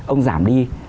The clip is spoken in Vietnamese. ông giảm đi